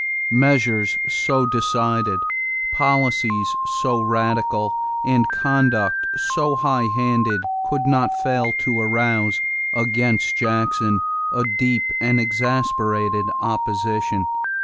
= Measures so decided, policies so radical, and conduct so high handed could not fail to arouse against Jackson a deep and exasperated opposition.